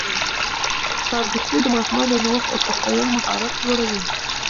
کاردستي د ماشومانو د نوښت او تخیل مهارت لوړوي.